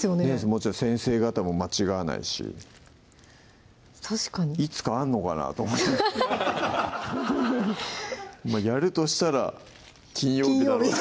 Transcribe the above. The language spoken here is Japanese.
もちろん先生方も間違わないし確かにいつかあんのかなと思ってまぁやるとしたら金曜日だろう